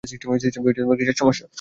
সিস্টেমে কীসের সমস্যা?